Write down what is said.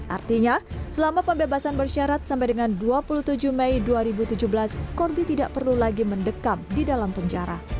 artinya selama pembebasan bersyarat sampai dengan dua puluh tujuh mei dua ribu tujuh belas corby tidak perlu lagi mendekam di dalam penjara